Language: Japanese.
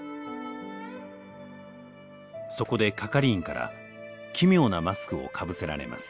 そこで係員から奇妙なマスクをかぶせられます。